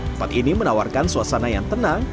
tempat ini menawarkan suasana yang tenang